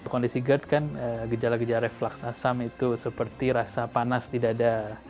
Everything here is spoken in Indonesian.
kondisi gerd kan gejala gejala reflux asam itu seperti rasa panas di dada